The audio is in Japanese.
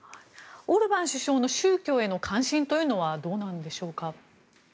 オルバン首相の宗教への関心というのはどうなんでしょうか。